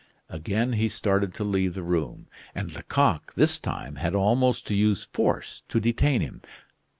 Again he started to leave the room, and Lecoq, this time, had almost to use force to detain him.